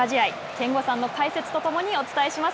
憲剛さんの解説と共にお伝えします。